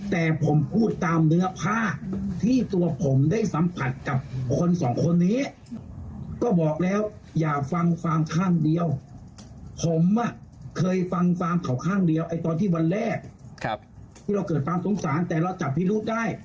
ตอนที่วันแรกที่เราเกิดความสงสารแต่เราจับพิรุธได้